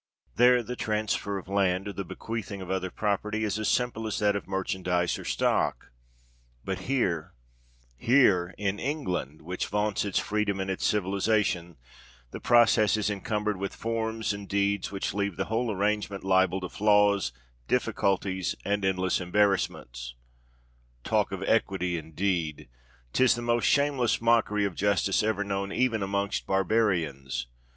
There the transfer of land, or the bequeathing of other property, is as simple as that of merchandize or stock; but here—here, in England, which vaunts its freedom and its civilization, the process is encumbered with forms and deeds which leave the whole arrangement liable to flaws, difficulties, and endless embarrassments. Talk of Equity indeed! 'tis the most shameless mockery of justice ever known even amongst barbarians.